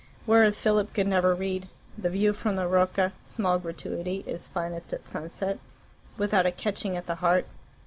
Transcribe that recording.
Whereas Philip could never read "The view from the Rocca (small gratuity) is finest at sunset" without a catching at the heart.